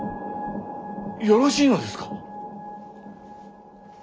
よろしいのですか。